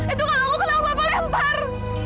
itu kalung aku kenapa bapak lempar